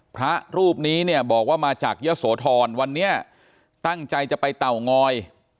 พระรูปนี้เนี่ยบอกว่ามาจากยะโสธรวันนี้ตั้งใจจะไปเตางอย